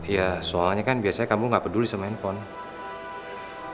ya soalnya kan biasanya kamu nggak peduli sama handphone